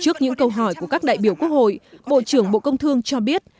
trước những câu hỏi của các đại biểu quốc hội bộ trưởng bộ công thương cho biết